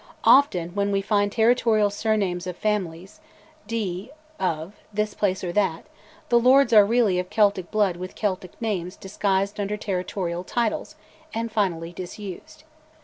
Often, when we find territorial surnames of families, "de" "of" this place or that, the lords are really of Celtic blood with Celtic names; disguised under territorial titles; and finally disused.